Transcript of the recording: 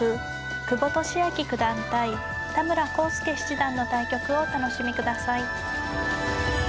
久保利明九段対田村康介七段の対局をお楽しみください。